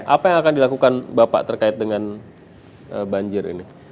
apa yang akan dilakukan bapak terkait dengan banjir ini